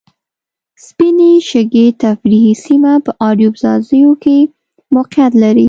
سپینې شګې تفریحي سیمه په اریوب ځاځیو کې موقیعت لري.